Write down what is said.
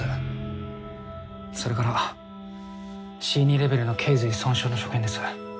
それからＣ２レベルの頚髄損傷の所見です。